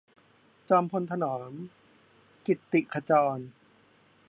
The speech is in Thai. จอมพลถนอม กิตติขจร